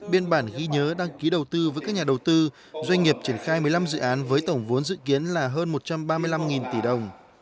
biên bản ghi nhớ đăng ký đầu tư với các nhà đầu tư doanh nghiệp triển khai một mươi năm dự án với tổng vốn dự kiến là hơn một trăm ba mươi năm tỷ đồng